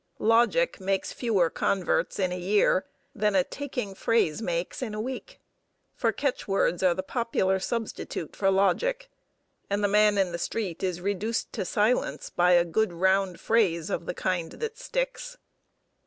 Logic makes fewer converts in a year than a taking phrase makes in a week. For catchwords are the popular substitute for logic, and the man in the street is reduced to silence by a good round phrase of the kind that sticks.